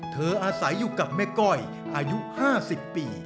อาศัยอยู่กับแม่ก้อยอายุ๕๐ปี